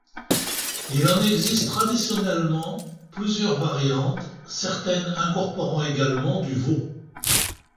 Il en existe traditionnellement plusieurs variantes, certaines incorporant également du veau.